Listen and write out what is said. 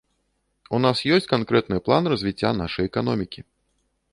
У нас ёсць канкрэтны план развіцця нашай эканомікі.